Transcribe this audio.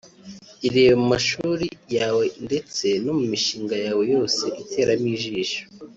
ireba mu mashuri yawe ndetse no mu mishinga yawe yose iteramo ijisho